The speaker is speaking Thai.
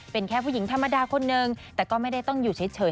เป็นแค่ผู้หญิงธรรมดาคนนึงแต่ก็ไม่ได้ต้องอยู่เฉย